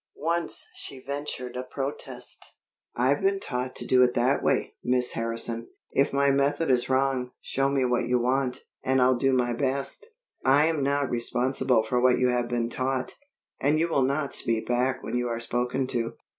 Once she ventured a protest: "I've been taught to do it that way, Miss Harrison. If my method is wrong, show me what you want, and I'll do my best." "I am not responsible for what you have been taught. And you will not speak back when you are spoken to."